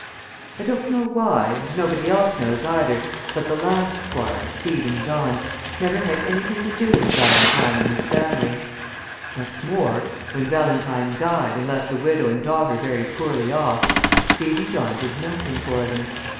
I don't know why, and nobody else knows, either, but the last Squire, Stephen John, never had anything to do with Valentine and his family; what's more, when Valentine died and left the widow and daughter very poorly off, Stephen John did nothing for them.